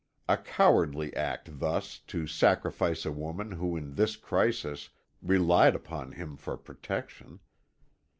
A cowardly act thus to sacrifice a woman who in this crisis relied upon him for protection.